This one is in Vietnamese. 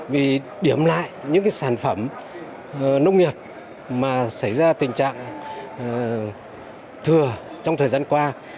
vì điểm lại những cái sản phẩm nông nghiệp mà xảy ra tình trạng thừa trong thời gian qua